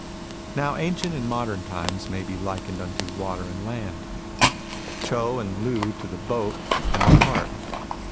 Now ancient and modern times may be likened unto water and land ; Chou and Lu to the boat and the cart.